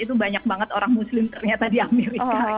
itu banyak banget orang muslim ternyata di amerika